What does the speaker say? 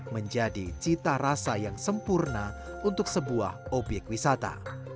menjadi cita rasa yang sempurna untuk sebuah obyek wisata